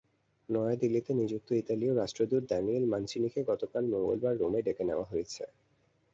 নয়াদিল্লিতে নিযুক্ত ইতালীয় রাষ্ট্রদূত দানিয়েল মানচিনিকে গতকাল মঙ্গলবার রোমে ডেকে নেওয়া হয়েছে।